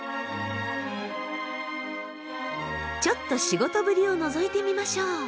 ちょっと仕事ぶりをのぞいてみましょう。